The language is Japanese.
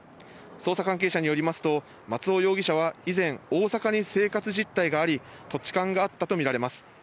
捜査関係者によりますと松尾容疑者は以前、大阪に生活実態があり、土地勘があったとみられます。